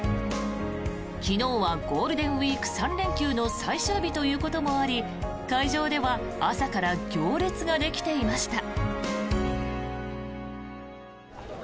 昨日はゴールデンウィーク３連休の最終日ということもあり会場では朝から行列ができていました。